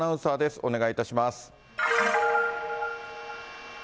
お願いいたします。